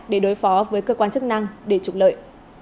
để đối phó với cơ quan chức năng để trục lợi